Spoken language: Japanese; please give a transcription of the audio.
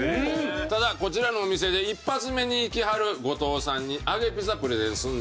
ただこちらのお店で一発目に行きはる後藤さんに揚げピザプレゼンすんねや。